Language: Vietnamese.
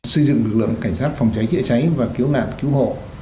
xây dựng lực lượng cảnh sát phòng cháy chữa cháy và cứu nạn cứu hộ